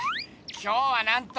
今日はなんと！